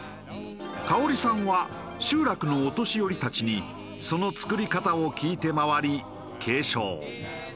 馨生里さんは集落のお年寄りたちにその作り方を聞いて回り継承。